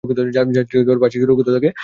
জাহাজের পাশটি সুরক্ষিত রাখো।